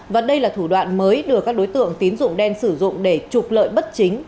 và đây là thủ đoạn mới được các đối tượng tín dụng đen sử dụng để trục lợi bất chính